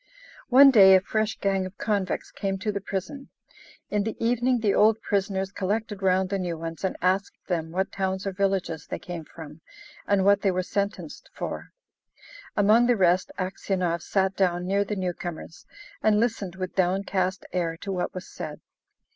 One day a fresh gang of convicts came to the prison. In the evening the old prisoners collected round the new ones and asked them what towns or villages they came from, and what they were sentenced for. Among the rest Aksionov sat down near the newcomers, and listened with downcast air to what was said.